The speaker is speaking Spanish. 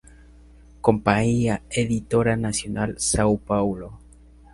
Companhia Editora Nacional, São Paulo.